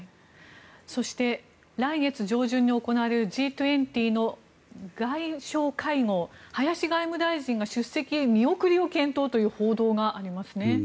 そして来月上旬に行われるＧ２０の外相会合林外務大臣が出席見送りを検討という報道がありますね。